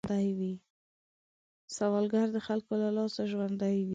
سوالګر د خلکو له لاسه ژوندی وي